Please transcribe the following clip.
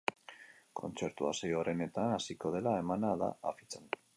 Kontzertua sei orenetan hasiko dela emana da afitxan.